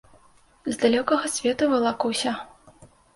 З далёкага свету валакуся.